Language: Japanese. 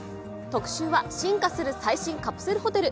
特集は進化する最新カプセルホテル。